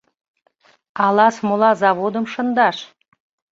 Ала смола заводым шындаш?